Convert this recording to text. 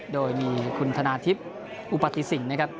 โดยมีคุณธนาธิพย์อุปไตรสิงห์